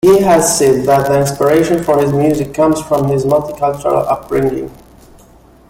He has said that the inspiration for his music comes from his multi-cultural upbringing.